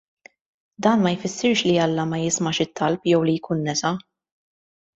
Dan ma jfissirx li Alla ma jismax it-talb jew li jkun nesa.